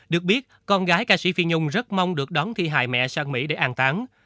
được biết con gái ca sĩ phi nhung rất mong được đón thi hài mẹ sang mỹ để an tán